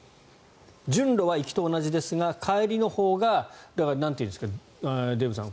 順路は行きと同じですが帰りのほうがデーブさん